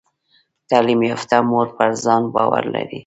تعلیم یافته مور پر ځان باور لري۔